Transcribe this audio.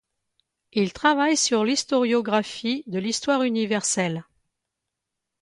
Il travaille sur l'historiographie de l'histoire universelle.